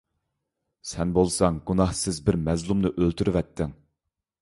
سەن بولساڭ گۇناھسىز بىر مەزلۇمنى ئۆلتۈرۈۋەتتىڭ.